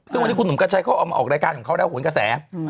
ซึ่งวันนี้คุณหนุ่มกัญชัยเขาออกมาออกรายการของเขาแล้วโหนกระแส